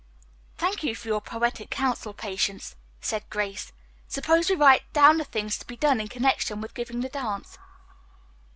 "Thank you for your poetic counsel, Patience," said Grace. "Suppose we write down the things to be done in connection with giving the dance."